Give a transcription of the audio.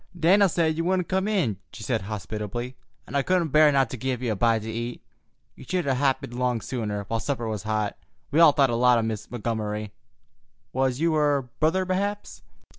"Dan'l said you wouldn't come in," she said hospitably, "and I couldn't bear not to give you a bite to eat. You should 'a' happened 'long sooner, while supper was hot. We all thought a lot o' Miss Montgomery. Was you her brother, perhaps?"